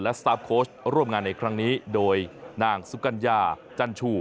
สตาร์ฟโค้ชร่วมงานในครั้งนี้โดยนางสุกัญญาจันชู